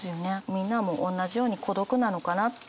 みんなもおんなじように孤独なのかなって。